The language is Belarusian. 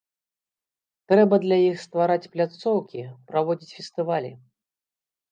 Трэба для іх ствараць пляцоўкі, праводзіць фестывалі.